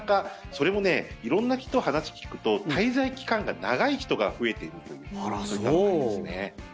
それもね色んな人に話を聞くと滞在期間が長い人が増えているというそういった感じですね。